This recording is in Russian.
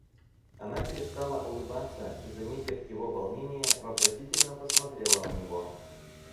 Она перестала улыбаться и, заметив его волнение, вопросительно посмотрела на него.